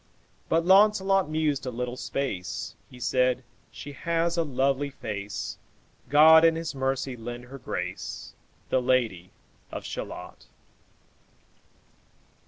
But Launcelot mused a little space; He said, 'She has a lovely face; God in his mercy lend her grace, The Lady of Shalott.'"